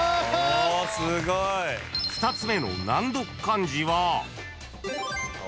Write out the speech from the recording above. ［２つ目の難読漢字は］